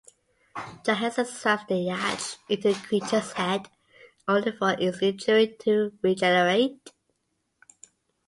Johansen rams the yacht into the creature's head, only for its injury to regenerate.